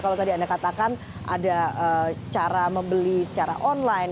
kalau tadi anda katakan ada cara membeli secara online